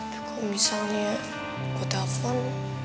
kalau misalnya gue telepon